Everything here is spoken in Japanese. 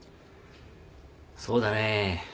そうだねえ。